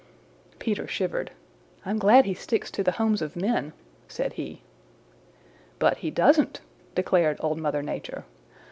Peter shivered. "I'm glad he sticks to the homes of men," said he. "But he doesn't," declared Old Mother Nature.